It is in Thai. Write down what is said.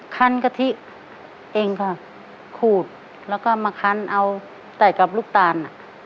คันกะทิเองค่ะขูดแล้วก็มาคันเอาใส่กับลูกตาล